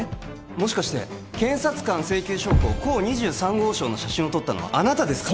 もしかして検察官請求証拠甲二十三号証の写真を撮ったのはあなたですか？